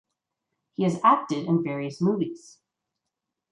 He has acted in various movies.